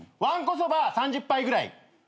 わんこそば３０杯ぐらい。